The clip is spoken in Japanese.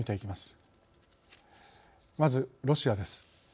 まずロシアです。